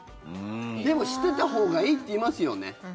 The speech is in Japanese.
でも、してたほうがいいっていいますよね。